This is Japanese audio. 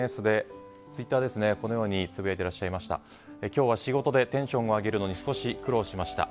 ＳＮＳ、ツイッターでこのようにつぶやいていらっしゃいました。